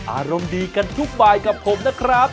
อารมณ์ดีกันทุกบายกับผมนะครับ